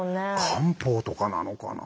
漢方とかなのかな？